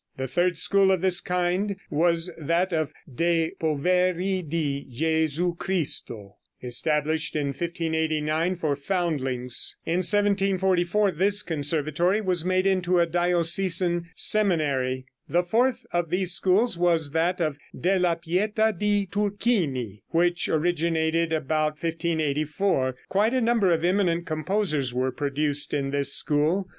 The third school of this kind was that of De Poveri di Gesu Cristo, established in 1589, for foundlings. In 1744 this conservatory was made into a diocesan seminary. The fourth of these schools was that of Della Pieta di Turchini, which originated about 1584. Quite a number of eminent composers were produced in this school.